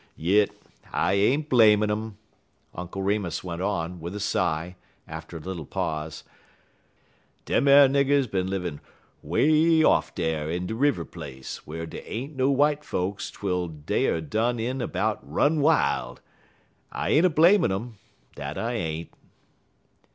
"Yit I ain't blamin' um," Uncle Remus went on, with a sigh, after a little pause. "Dem ar niggers bin livin' 'way off dar on de River place whar dey ain't no w'ite folks twel dey er done in about run'd wil'. I ain't a blamin' um, dat I ain't."